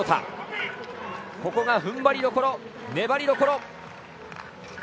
ここが踏ん張りどころ粘りどころ。